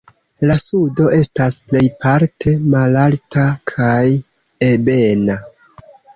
La sudo estas plejparte malalta kaj ebena.